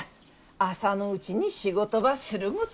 朝のうちに仕事ばするごた。